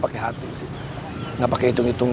pakai hati sih gak pakai hitung hitungan